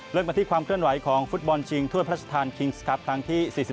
เริ่มมาที่ความเคลื่อนไหวของฟุตบอลจริงทั่วพระชาตาลทางที่๔๔